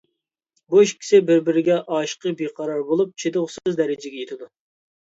بۇ ئىككىسى بىر-بىرىگە ئاشىقى بىقارار بولۇپ، چىدىغۇسىز دەرىجىگە يېتىدۇ.